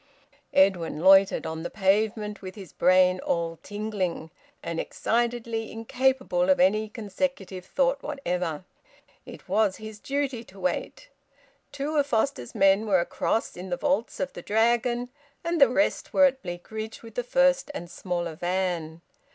Edwin loitered on the pavement, with his brain all tingling, and excitedly incapable of any consecutive thought whatever. It was his duty to wait. Two of Foster's men were across in the vaults of the Dragon; the rest were at Bleakridge with the first and smaller van.